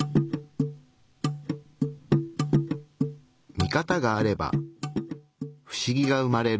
ミカタがあればフシギが生まれる。